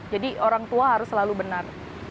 jadi orang tua harus selalu benar